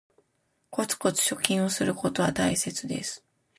コツコツ貯金することは大切です